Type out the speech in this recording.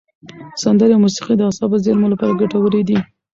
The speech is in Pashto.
سندرې او موسیقي د اعصابو زېرمو لپاره ګټورې دي.